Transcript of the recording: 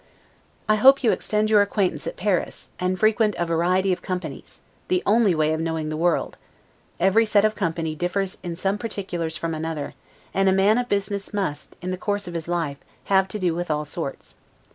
I hope you extend your acquaintance at Paris, and frequent variety of companies; the only way of knowing the world; every set of company differs in some particulars from another; and a man of business must, in the course of his life, have to do with all sorts.